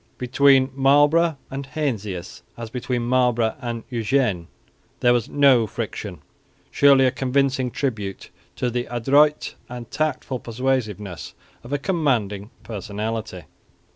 Between Marlborough and Heinsius, as between Marlborough and Eugene, there was no friction surely a convincing tribute to the adroit and tactful persuasiveness of a commanding personality.